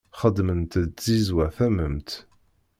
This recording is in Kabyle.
Xeddment-d tzizwa tamemt.